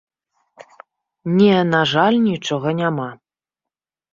Не, на жаль, нічога няма.